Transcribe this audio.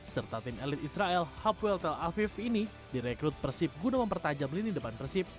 serta tim elit israel hapuel tel aviv ini direkrut persib guna mempertajam lini depan persib